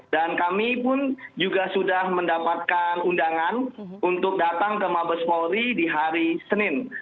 dan kami pun juga sudah mendapatkan undangan untuk datang ke mabes polri di hari senin